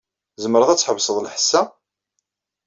Tzemreḍ ad tḥebseḍ lḥess-a?